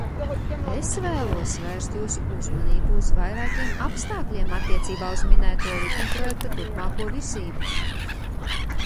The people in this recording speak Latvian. Es vēlos vērst jūsu uzmanību uz vairākiem apstākļiem attiecībā uz minētā likumprojekta turpmāko virzību.